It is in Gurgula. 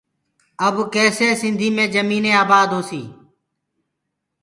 اب ڪيسي سنڌي مين جميني آبآد هوسيٚ